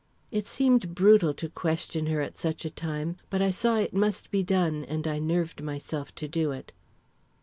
It seemed brutal to question her at such a time, but I saw it must be done and I nerved myself to do it.